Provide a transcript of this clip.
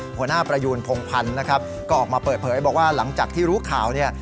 ประยูนพงพันธ์นะครับก็ออกมาเปิดเผยบอกว่าหลังจากที่รู้ข่าวเนี่ย